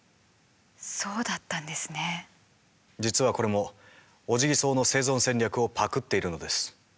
実はこれもオジギソウの生存戦略をパクっているのです。